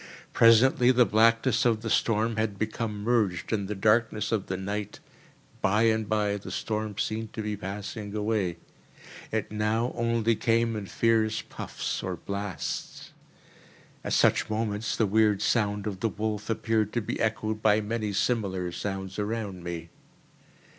Presently the blackness of the storm had become merged in the darkness of the night. By and by the storm seemed to be passing away: it now only came in fierce puffs or blasts. At such moments the weird sound of the wolf appeared to be echoed by many similar sounds around me.